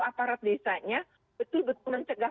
aparat desanya betul betul mencegah